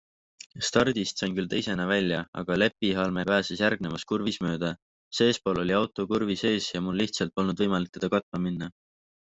Stardist sain küll teisena väja, aga Leppihalme pääses järgnevas kurvis mööda - seespool oli auto kurvis ees ja mul lihtsalt polnud võimalik teda katma minna.